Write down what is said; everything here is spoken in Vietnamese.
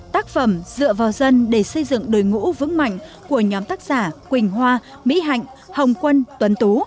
tác phẩm dựa vào dân để xây dựng đội ngũ vững mạnh của nhóm tác giả quỳnh hoa mỹ hạnh hồng quân tuấn tú